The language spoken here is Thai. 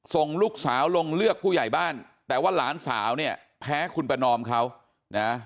ส่งลูกสาวลงเลือกผู้ใหญ่บ้านแต่ว่าหลานสาวเนี่ยแพ้คุณประนอมเขานะ